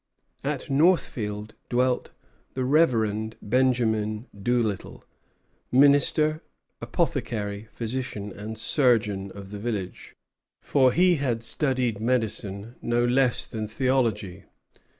At Northfield dwelt the Reverend Benjamin Doolittle, minister, apothecary, physician, and surgeon of the village; for he had studied medicine no less than theology.